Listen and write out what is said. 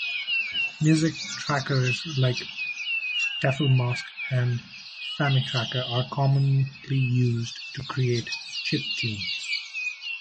Music trackers like DefleMask and Famitracker are commonly used to create chiptunes.